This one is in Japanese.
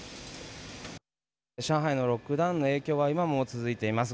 上海のロックダウンの影響は今も続いています。